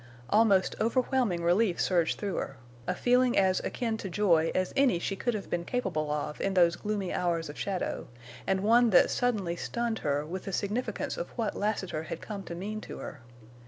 Almost overwhelming relief surged through her, a feeling as akin to joy as any she could have been capable of in those gloomy hours of shadow, and one that suddenly stunned her with the significance of what Lassiter had come to mean to her.